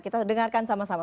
kita dengarkan sama sama